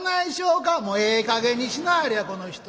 「もうええかげんにしなはれやこの人は。